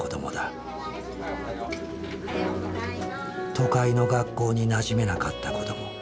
都会の学校になじめなかった子ども。